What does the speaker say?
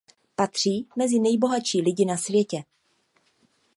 Patří mezi nejbohatší lidi na světě.